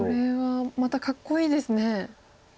これはまたかっこいいですね。